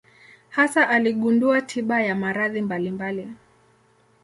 Hasa aligundua tiba ya maradhi mbalimbali.